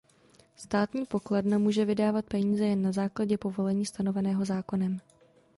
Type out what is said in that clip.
Státní pokladna může vydávat peníze jen na základě povolení stanoveného zákonem.